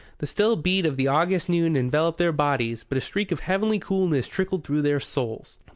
The still beat of the August noon enveloped their bodies, but a streak of heavenly coolness trickled through their souls.